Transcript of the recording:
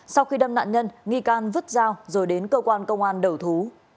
sau khi đâm nạn nhân nghị can vứt rao rồi đến cơ quan công an đầu thú